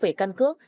về căn cước